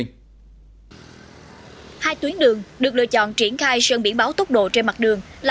hai tuyến đường được lựa chọn triển khai sơn biển báo tốc độ trên mặt đường là